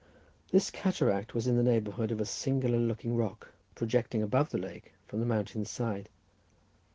This cataract was in the neighbourhood of a singular looking rock, projecting above the lake from the mountain's side.